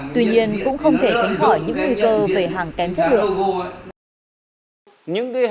tuy nhiên cũng không thể tránh khỏi những nguy cơ về hàng kém chất lượng